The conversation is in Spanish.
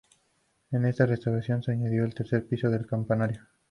En esta restauración se añadió el tercer piso del campanario.